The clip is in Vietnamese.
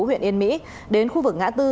huyện yên mỹ đến khu vực ngã tư